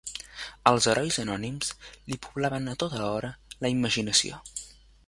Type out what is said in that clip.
Els herois anònims li poblaven a tota hora la imaginació